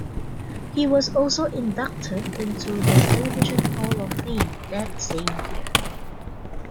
He was also inducted into the Television Hall of Fame that same year.